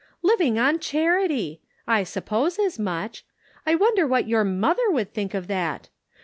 "Living on charity! I suppose as much. I wonder what your mother would think of that?